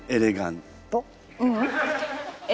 ううん。